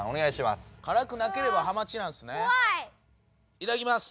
いただきます！